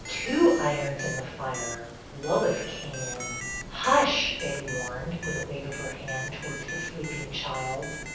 Two irons in the fire! Lois came in. '' Hush I " Betty warned, with a wave of her hand towards the sleeping child.